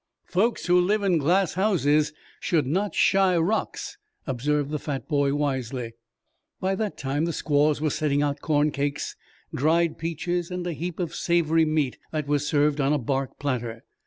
"Folks who live in glass houses, should not shy rocks," observed the fat boy wisely. By that time the squaws were setting out corn cakes, dried peaches and a heap of savory meat that was served on a bark platter.